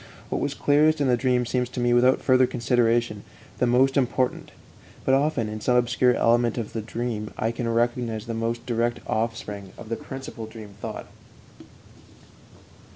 What was clearest in the dream seems to me, without further consideration, the most important; but often in some obscure element of the dream I can recognize the most direct offspring of the principal dream thought.